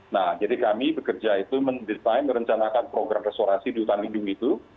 nah jadi kami bekerja itu mendesain merencanakan program restorasi di hutan lindung itu